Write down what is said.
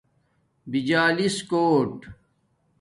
بجالس کوٹ